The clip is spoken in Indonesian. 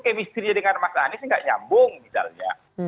kemisterinya dengan mas anies tidak nyambung misalnya